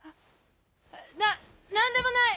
・な何でもない！